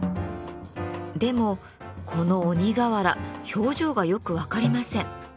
でもこの鬼瓦表情がよく分かりません。